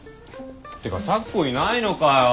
てか咲子いないのかよ。